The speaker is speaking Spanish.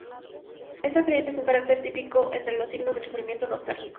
Esta creencia es un carácter típico entre los signos del sufrimiento nostálgico.